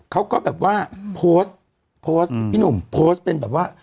เขาก็แบบว่าโพสต์โพสต์พี่หนุ่มโพสต์เป็นแบบว่า